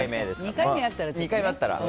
２回目あったらね。